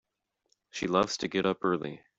She loves to get up early.